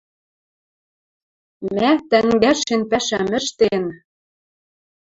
Мӓ, тӓнгӓшен пӓшӓм ӹштен